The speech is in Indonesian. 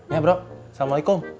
ya bro assalamualaikum